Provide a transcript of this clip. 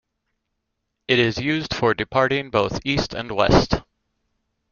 It is used for departing both east and west.